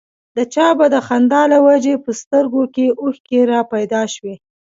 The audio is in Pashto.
د چا به د خندا له وجې په سترګو کې اوښکې را پيدا شوې.